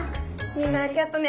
みんなありがとね。